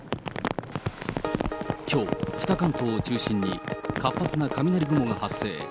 きょう、北関東を中心に活発な雷雲が発生。